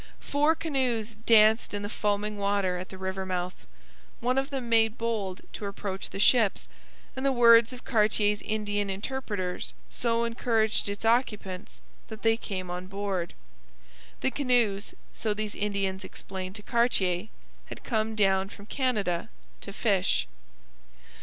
Four canoes danced in the foaming water at the river mouth: one of them made bold to approach the ships, and the words of Cartier's Indian interpreters so encouraged its occupants that they came on board. The canoes, so these Indians explained to Cartier, had come down from Canada to fish.